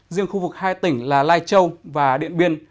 riêng khu vực hai tỉnh là lai châu và điện biên